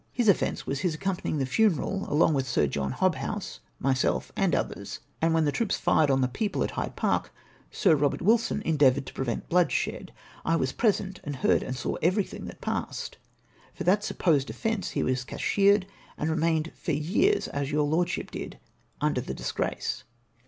His offence was his accompanying tbe funeral along with Sir John Hobbouse, myself, and others ; and when tbe troops fired on tbe people at Hyde Park, Sir Eobert Wilson endeavoured to prevent bloodshed. I was present, and heard and saw everything that passed. For that supposed offence be was cashiered, and remained for years, as your lordship did, under tbe disgrace.